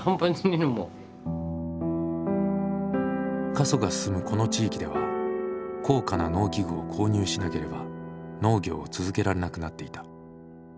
過疎が進むこの地域では高価な農機具を購入しなければ農業を続けられなくなっていた。